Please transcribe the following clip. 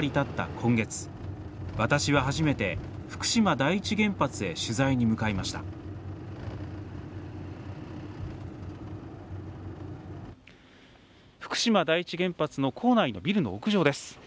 今月私は初めて、福島第一原発へ取材に向かいました福島第一原発の構内のビルの屋上です。